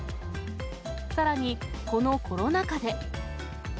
さらに、このコロナ禍で。